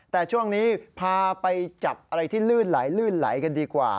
แต่ช่วงนี้พาไปจับอะไรที่ลื่นไหลลื่นไหลกันดีกว่า